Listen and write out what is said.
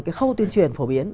cái khâu tuyên truyền phổ biến